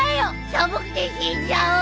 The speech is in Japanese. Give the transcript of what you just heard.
寒くて死んじゃう！